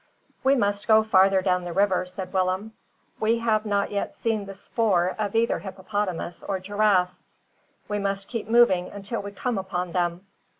"We must go farther down the river," said Willem. "We have not yet seen the spoor of either hippopotamus or giraffe. We must keep moving until we come upon them.